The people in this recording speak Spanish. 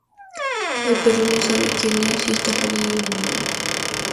El perro, no sabe quien es y está perdido en el mundo.